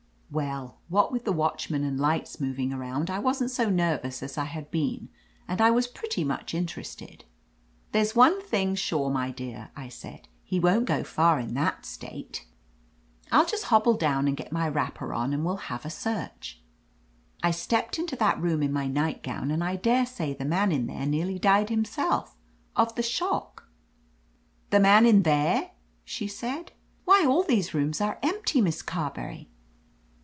"Well, what with the watchman and lights moving around, I wasn't so nervous as I had been, and I was pretty much interested. " There's one thing sure, my dear,' I said, 'he won't go far in that state. I'll just hobble 19 a i t( t^ 7 THE AMAZING ADVENTURES down and get my wrapper on and we'll have a search. I stepped into that room in my night gown and I daresay the man in there nearly died himself — of the shock/ " The man in Iheref she said. *Why, all these rooms are empty, Miss Carberry